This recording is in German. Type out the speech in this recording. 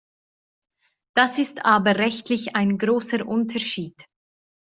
Das ist aber rechtlich ein großer Unterschied.